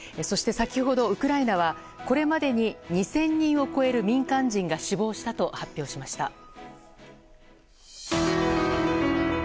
そして、先ほどウクライナはこれまでに２０００人を超える民間人が死亡したと発表しました。